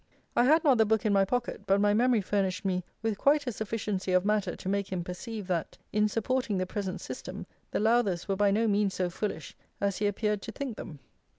I had not the book in my pocket, but my memory furnished me with quite a sufficiency of matter to make him perceive that, in supporting the present system, the Lowthers were by no means so foolish as he appeared to think them.